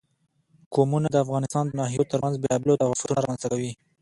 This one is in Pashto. قومونه د افغانستان د ناحیو ترمنځ بېلابېل تفاوتونه رامنځ ته کوي.